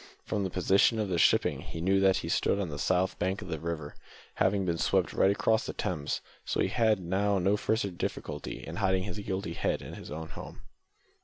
From the position of the shipping he knew that he stood on the south bank of the river, having been swept right across the Thames, so he had now no further difficulty in hiding his guilty head in his own home.